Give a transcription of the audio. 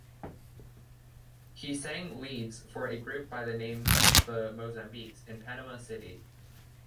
He sang leads for a group by the name "The Mozambiques" in Panama City.